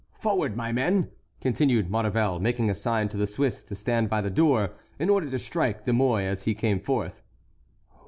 Forward, my men!" continued Maurevel, making a sign to the Swiss to stand by the door, in order to strike De Mouy as he came forth.